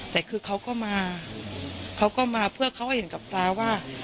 แต่คือเขาก็มาเขาก็มาเพื่อเขาให้เห็นกับตาว่า